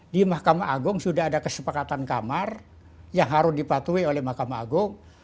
di mahkamah agung sudah ada kesepakatan kamar yang harus dipatuhi oleh mahkamah agung